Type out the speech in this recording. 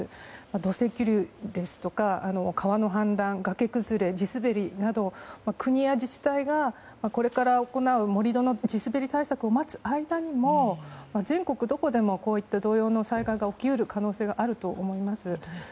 土石流ですとか川の氾濫、崖崩れ、地滑りなど国や自治体が、これから行う盛り土の地滑り対策を待つ間にも、全国どこでもこういった、同様の災害が起き得る可能性があると思います。